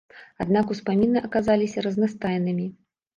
Аднак успаміны аказаліся разнастайнымі.